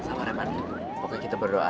jangan lupa sholat